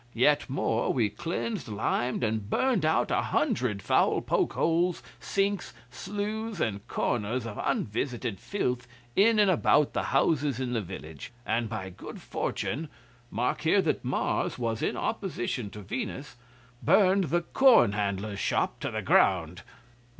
Yet more, we cleansed, limed, and burned out a hundred foul poke holes, sinks, slews, and corners of unvisited filth in and about the houses in the village, and by good fortune (mark here that Mars was in opposition to Venus) burned the corn handler's shop to the ground.